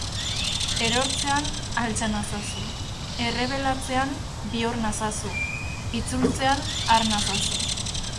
Erortzean altxa nazazu, errebelatzean bihur nazazu, itzultzean har nazazu.